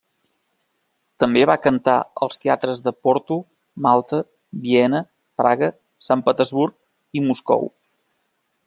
També va cantar als teatres de Porto, Malta, Viena, Praga, Sant Petersburg i Moscou.